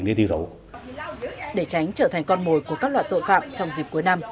để tránh trở thành con mồi của các loại tội phạm trong dịp cuối năm